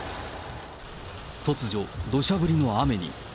突如、どしゃ降りの雨に。